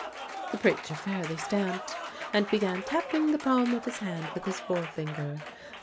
The preacher fairly stamped, and began tapping the palm of his hand with his forefinger.